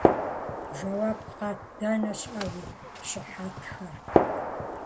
- Жэуап къэт, дэнэ щыӀэ уи щыхьэтхэр?